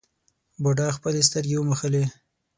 بوډا خپلې سترګې وموښلې.